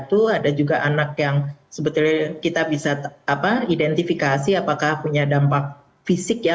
ada juga anak yang sebetulnya kita bisa identifikasi apakah punya dampak fisik ya